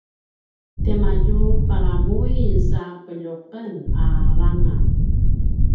tiamadju palamuin sa peljuqen a langa